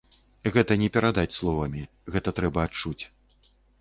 Гэта не перадаць словамі, гэта трэба адчуць.